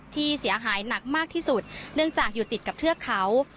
ที่เสียหายหนักมากที่สุดเนื่องจากอยู่ติดกับเทือกเขา